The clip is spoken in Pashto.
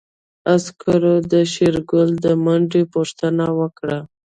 عسکرو د شېرګل د منډې پوښتنه وکړه.